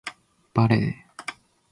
バレー